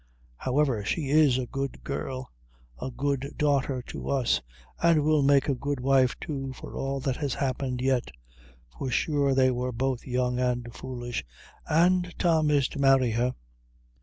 However, she is a good girl a good daughter to us, an' will make a good wife, too, for all that has happened yet; for sure they wor both young and foolish, an' Tom is to marry her.